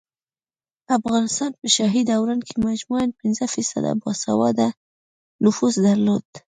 افغانستان په شاهي دوران کې مجموعاً پنځه فیصده باسواده نفوس درلود